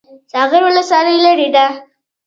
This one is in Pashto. ساغر ولسوالۍ لیرې ده؟